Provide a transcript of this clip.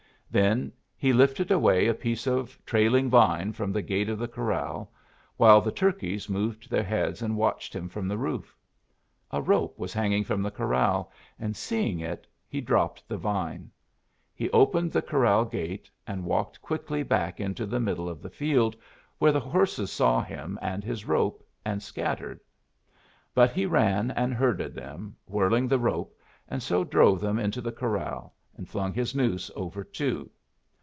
Then he lifted away a piece of trailing vine from the gate of the corral, while the turkeys moved their heads and watched him from the roof. A rope was hanging from the corral, and seeing it, he dropped the vine. He opened the corral gate, and walked quickly back into the middle of the field, where the horses saw him and his rope, and scattered. But he ran and herded them, whirling the rope, and so drove them into the corral, and flung his noose over two.